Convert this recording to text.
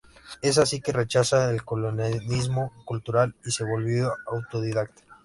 Es así que rechaza el colonialismo cultural y se volvió autodidacta.